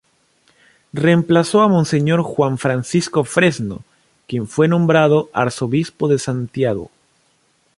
Reemplazó a Monseñor Juan Francisco Fresno quien fue nombrado arzobispo de Santiago.